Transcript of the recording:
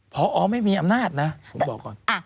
พอไม่มีอำนาจนะผมบอกก่อน